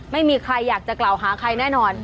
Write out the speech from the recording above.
ไม่มีใครอยากจะกล่าวหาใครแน่นอน